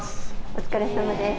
お疲れさまです